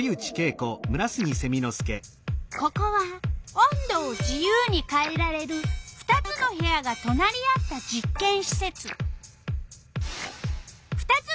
ここは温度を自由にかえられる２つの部屋がとなり合った実けんしせつ。